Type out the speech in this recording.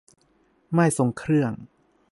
ม่ายทรงเครื่อง